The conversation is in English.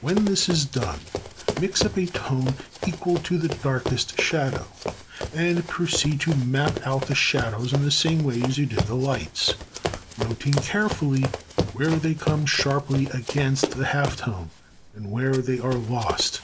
When this is done, mix up a tone equal to the darkest shadow, and proceed to map out the shadows in the same way as you did the lights; noting carefully where they come sharply against the half tone and where they are lost.